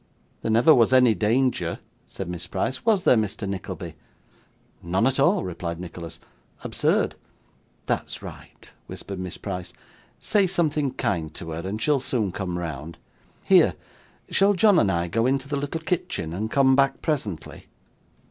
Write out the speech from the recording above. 'There never was any danger,' said Miss Price, 'was there, Mr. Nickleby?' 'None at all,' replied Nicholas. 'Absurd.' 'That's right,' whispered Miss Price, 'say something kind to her, and she'll soon come round. Here! Shall John and I go into the little kitchen, and come back presently?